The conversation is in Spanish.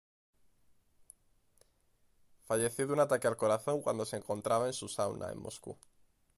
Falleció de un ataque al corazón cuando se encontraba en su sauna, en Moscú.